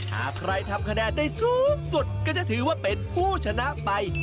หากใครทำคะแนนได้สูงสุดก็จะถือว่าเป็นผู้ชนะไป